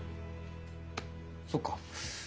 そっか。